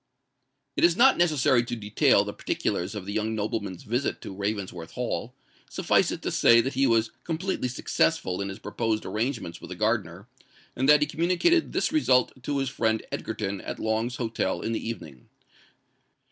It is not necessary to detail the particulars of the young nobleman's visit to Ravensworth Hall: suffice it to say that he was completely successful in his proposed arrangements with the gardener, and that he communicated this result to his friend Egerton at Long's Hotel in the evening.